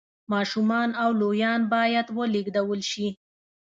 ماشومان او لویان باید ولېږدول شي